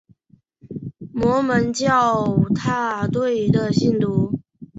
摩门教大队的信徒。